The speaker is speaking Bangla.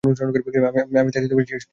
তাই আমি সেই স্টিফেনদের উপকার করেছি।